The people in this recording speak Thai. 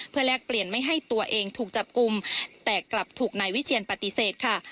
เพื่อแลกเปลี่ยนไม่ให้ตัวเองถูกจับกลุ่มแต่กลับถูกนายวิเชียนปฏิเสธค่ะ